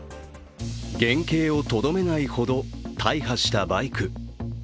原形をとどめないほど、大破したバイク。